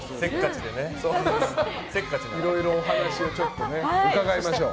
いろいろお話を伺いましょう。